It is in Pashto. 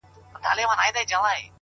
صبر د لوړو هدفونو ساتونکی دی،